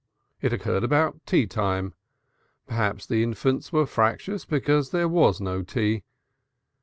It occurred about tea time. Perhaps the infants were fractious because there was no tea.